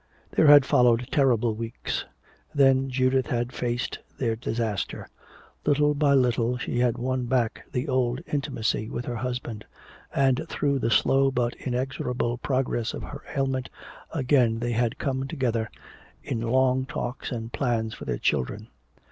There had followed terrible weeks. Then Judith had faced their disaster. Little by little she had won back the old intimacy with her husband; and through the slow but inexorable progress of her ailment, again they had come together in long talks and plans for their children.